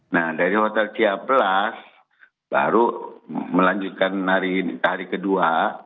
nah dari hotel siam plus baru melanjutkan hari hari kedua